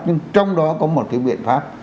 nhưng trong đó có một cái biện pháp